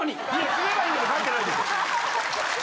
死ねばいいのに書いてないでしょ！